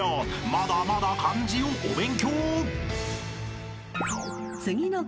［まだまだ漢字をお勉強］